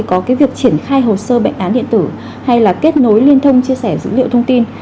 có cái việc triển khai hồ sơ bệnh án điện tử hay là kết nối liên thông chia sẻ dữ liệu thông tin